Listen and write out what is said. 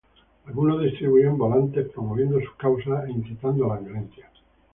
Algunos distribuían volantes promoviendo sus causas e incitando a la violencia.